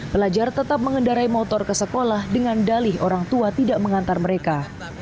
pelajar tetap mengendarai motor ke sekolah dengan dalih orang tua tidak mengantar mereka